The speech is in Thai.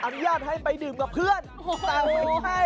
อนุญาตให้ไปดื่มกับเพื่อนแต่ไม่ใช่